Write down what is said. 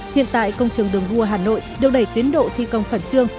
hiện tại công trường đường đua hà nội đều đẩy tiến độ thi công khẩn trương